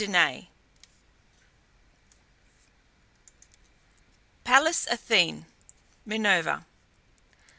PALLAS ATHENE (MINERVA).